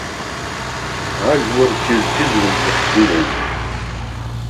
Ажәлар қьызқьызуеит иахьгылоу.